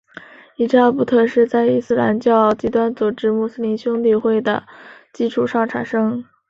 伊扎布特是在伊斯兰教极端组织穆斯林兄弟会的基础上产生。